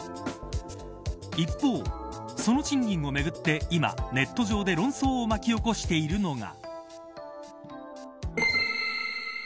一方、その賃金をめぐって今ネット上で論争を巻き起こしているのが。